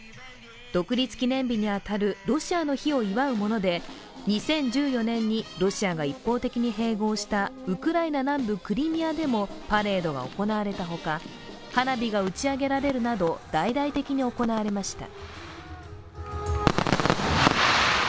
独立記念日に当たるロシアの日を祝うもので２０１４年にロシアが一方的に併合したウクライナ南部クリミアでもパレードが行われたほか、花火が打ち上げられるなど大々的に行われました。